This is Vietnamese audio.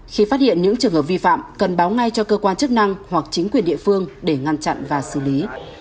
khi phát hiện những trường hợp vi phạm cần báo ngay cho cơ quan chức năng hoặc chính quyền địa phương để ngăn chặn và xử lý